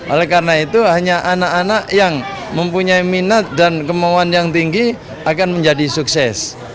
oleh karena itu hanya anak anak yang mempunyai minat dan kemauan yang tinggi akan menjadi sukses